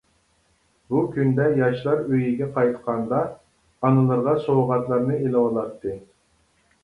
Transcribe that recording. بۇ كۈندە ياشلار ئۆيىگە قايتقاندا ئانىلىرىغا سوۋغاتلارنى ئېلىۋالاتتى.